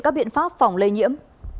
các biện pháp phòng lây nhiễm